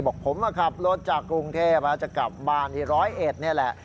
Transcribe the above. บอกผมมาขับรถจากกรุงเทพจะกลับบ้านที่ร้อยเอ็ดนี่แหละ